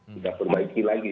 kita perbaiki lagi